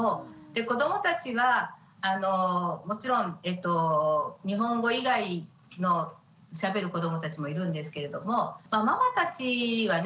子どもたちはもちろん日本語以外のしゃべる子どもたちもいるんですけれどもママたちはね